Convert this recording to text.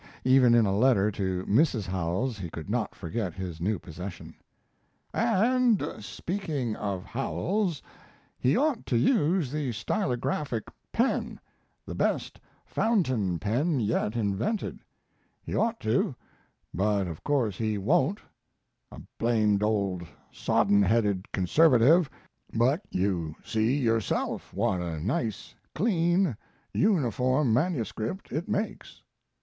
Even in a letter to Mrs. Howells he could not forget his new possession: And speaking of Howells, he ought to use the stylographic pen, the best fountain pen yet invented; he ought to, but of course he won't a blamed old sodden headed conservative but you see yourself what a nice, clean, uniform MS. it makes.